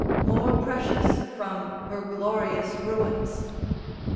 ["More precious from her glorious ruins."